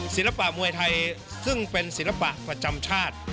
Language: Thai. ศิลปะมวยไทยซึ่งเป็นศิลปะประจำชาติ